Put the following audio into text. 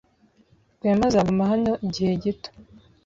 Rwema azaguma hano igihe gito.